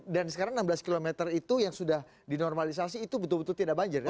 dan sekarang enam belas km itu yang sudah dinormalisasi itu betul betul tidak banjir kan